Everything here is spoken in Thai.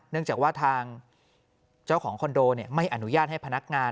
เนื่องจากว่าทางเจ้าของคอนโดไม่อนุญาตให้พนักงาน